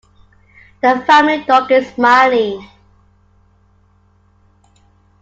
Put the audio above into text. The family dog is Smiley.